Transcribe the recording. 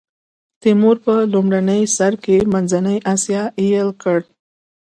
تیمور په لومړي سر کې منځنۍ اسیا ایل کړه.